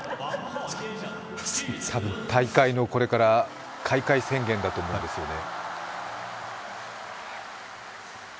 多分、大会の、これから開会宣言だと思うんですよね。